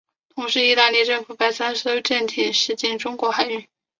同时意大利政府派三艘战舰驶进中国海域。